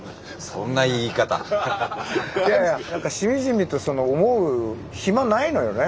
いやいやしみじみと思う暇ないのよね。